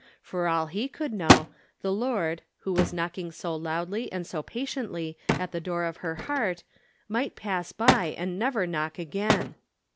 For all he could know, the Lord, who was knocking so loudly and so patiently at the door of her heart, might pass by, and never knock again.